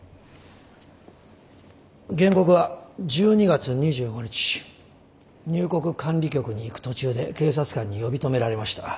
原告は１２月２５日入国管理局に行く途中で警察官に呼び止められました。